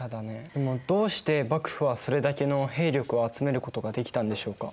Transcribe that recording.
でもどうして幕府はそれだけの兵力を集めることができたんでしょうか？